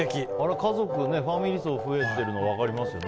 家族、ファミリー層が増えているのも分かりますよね。